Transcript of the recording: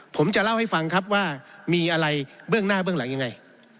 ผมจะเล่าให้ฟังครับว่ามีอะไรเบื้องหน้าเบื้องหลังยังไง